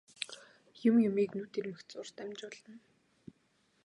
Юм юмыг нүд ирмэх зуурт амжуулна.